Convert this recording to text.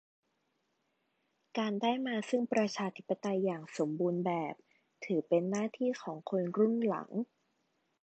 การได้มาซึ่งประชาธิปไตยอย่างสมบูรณ์แบบถือเป็นหน้าที่ของคนรุ่นหลัง